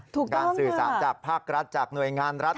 ถูกต้องค่ะสื่อสารจากภาครัฐจากหน่วยงานรัฐ